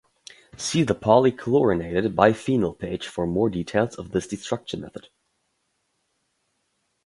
See the Polychlorinated biphenyl page for more details of this destruction method.